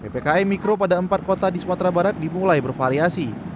ppkm mikro pada empat kota di sumatera barat dimulai bervariasi